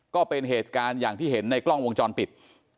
ก็เป็นเหตุการณ์อย่างที่เห็นในกล้องวงจรปิด